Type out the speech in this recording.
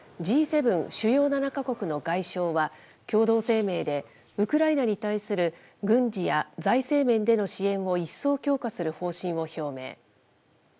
Ｇ７・主要７か国の外相は共同声明で、ウクライナに対する軍事や財政面での支援を一層強化する方針を表明。